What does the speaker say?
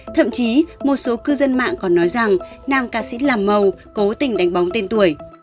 thậm chí một số cư dân mạng còn nói rằng nam ca sĩ làm màu cố tình đánh bóng tên tuổi